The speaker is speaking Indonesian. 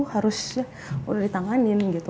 harus udah ditanganin gitu